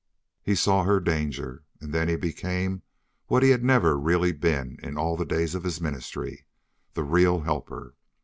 He saw her danger, and then he became what he had never really been in all the days of his ministry the real helper.